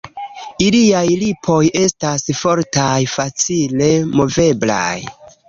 Iliaj lipoj estas fortaj, facile moveblaj.